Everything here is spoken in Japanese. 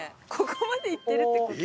ここまで行ってるって事？